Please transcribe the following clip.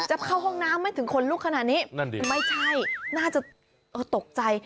เข้าห้องน้ำไม่ถึงขนลุกขนาดนี้นั่นดิไม่ใช่น่าจะตกใจ